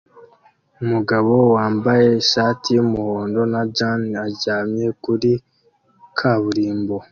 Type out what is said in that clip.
Umugabo wambaye ishati yumuhondo na jans aryamye kuri kaburimbo